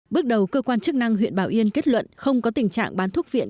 bước đầu cơ quan chức năng huyện bảo yên kết luận không có tình trạng bán thuốc viện